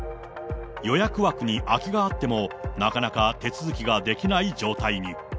予約枠に空きがあっても、なかなか手続きができない状態に。